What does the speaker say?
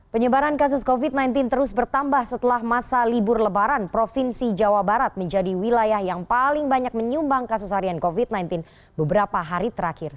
penyebaran kasus covid sembilan belas terus bertambah setelah masa libur lebaran provinsi jawa barat menjadi wilayah yang paling banyak menyumbang kasus harian covid sembilan belas beberapa hari terakhir